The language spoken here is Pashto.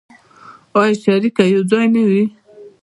آیا شریک او یوځای نه وي؟